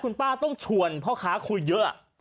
คุณป้าต้องชวนพ่อค้าคุยเยอะ